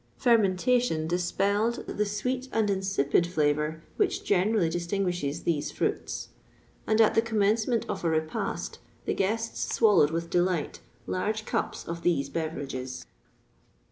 [XXVI 46] Fermentation dispelled the sweet and insipid flavour which generally distinguishes these fruits; and, at the commencement of a repast, the guests swallowed with delight large cups of these beverages.